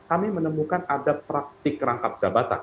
kami menemukan ada praktik rangkap jabatan